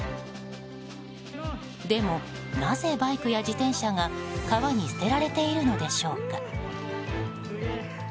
でも、なぜバイクや自転車が川に捨てられているのでしょうか。